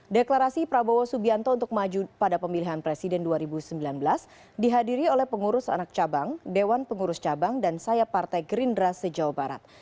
deklarasi prabowo subianto untuk maju pada pemilihan presiden dua ribu sembilan belas dihadiri oleh pengurus anak cabang dewan pengurus cabang dan sayap partai gerindra se jawa barat